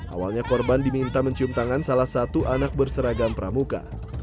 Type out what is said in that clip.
awalnya korban diminta mencium tangan salah satu anak berseragam pramuka